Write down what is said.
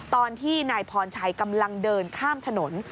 ตอนที่นายพรชัยกำลังเดินข้ามถนน